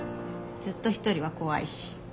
ずっと一人は怖いし。